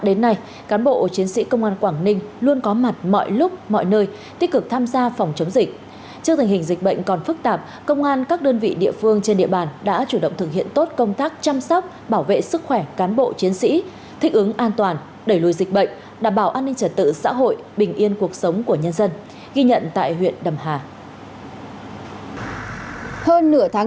đến nay lực lượng công an đã cơ bản hoàn thành việc